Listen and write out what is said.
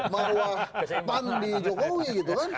maruah pan di jokowi gitu kan